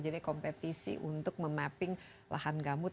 jadi kompetisi untuk memapping lahan gambut